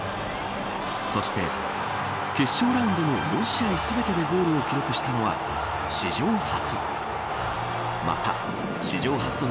そして決勝ラウンドの４試合、全てでゴールを記録したのは、史上初。